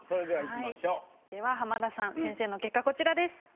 では浜田さん先生の結果こちらです。